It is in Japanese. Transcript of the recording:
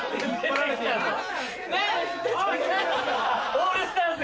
・オールスターズだ！